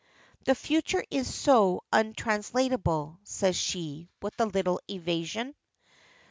"The future is so untranslatable," says she, with a little evasion.